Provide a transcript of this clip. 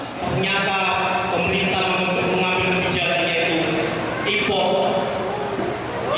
ternyata pemerintah mengambil kebijakannya itu impor